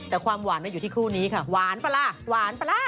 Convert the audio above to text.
แต่ความหวานมันอยู่ที่คู่นี้ค่ะหวานป่ะล่ะหวานปะล่ะ